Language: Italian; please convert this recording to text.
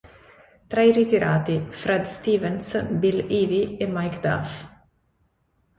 Tra i ritirati Fred Stevens, Bill Ivy e Mike Duff.